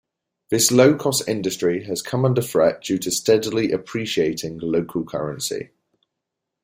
This low cost industry has come under threat due to steadily-appreciating local currency.